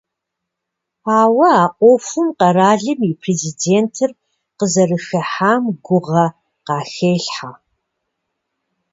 Ауэ а Ӏуэхум къэралым и Президентыр къызэрыхыхьам гугъэ къахелъхьэ.